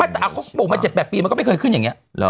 แต่เขาปลูกมา๗๘ปีมันก็ไม่เคยขึ้นอย่างนี้